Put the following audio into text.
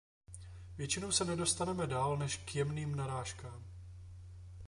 Většinou se nedostaneme dál než k jemným narážkám.